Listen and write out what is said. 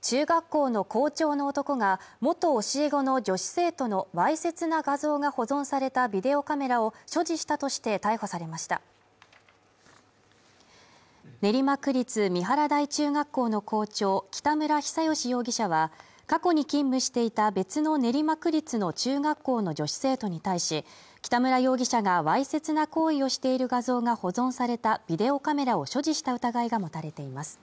中学校の校長の男が元教え子の女子生徒のわいせつな画像が保存されたビデオカメラを所持したとして逮捕されました練馬区立三原台中学校の校長北村比左嘉容疑者は過去に勤務していた別の練馬区立の中学校の女子生徒に対し北村容疑者がわいせつな行為をしている画像が保存されたビデオカメラを所持した疑いが持たれています